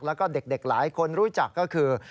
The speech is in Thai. แล้วก็เด็กหลายคนรู้จักก็คือ